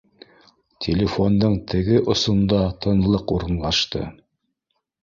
Телефондың теге осонда тынлыҡ урынлашты